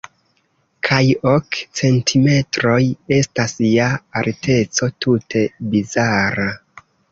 Kaj ok centimetroj estas ja alteco tute bizara.